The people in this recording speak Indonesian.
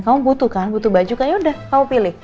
kamu butuh kan butuh baju kan yaudah kamu pilih